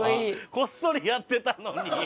こっそりやってたのに。